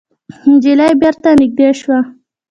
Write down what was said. نجلۍ بېرته نږدې شوه.